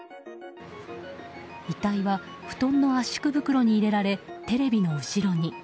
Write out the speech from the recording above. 遺体は布団の圧縮袋に入れられテレビの後ろに。